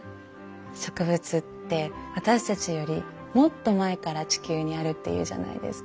植物って私たちよりもっと前から地球にあるっていうじゃないですか。